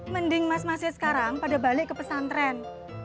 mending mas masnya sekarang pada balik ke pesantren